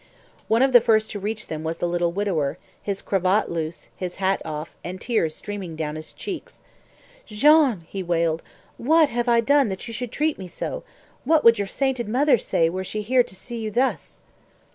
One of the first to reach them was the little widower, his cravate loose, his hat off, and tears streaming down his cheeks. "Jean!" he wailed. "What have I done that you should treat me so? What would your sainted mother say were she to see you thus?"